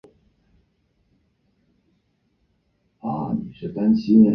群胚的概念在拓扑学中很重要。